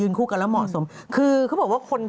อืมอืมอืมอืมอืมอืม